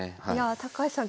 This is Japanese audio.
高橋さん